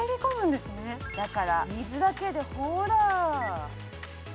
だから水だけで、ほら。